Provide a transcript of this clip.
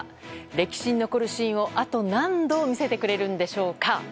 歴史に残るシーンを、あと何度見せてくれるんでしょうか。